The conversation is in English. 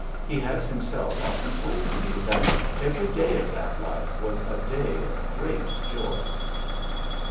He has himself often told me that "every day of that life was a day of great joy!"